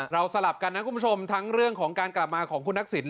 สลับกันนะคุณผู้ชมทั้งเรื่องของการกลับมาของคุณทักษิณ